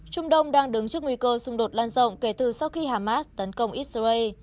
trung đông đang đứng trước nguy cơ xung đột lan rộng kể từ sau khi hamas tấn công israel